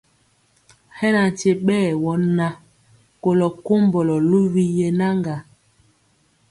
Hɛ na nkye ɓɛɛ wɔ na kolɔ kombɔlɔ luwi yenaŋga.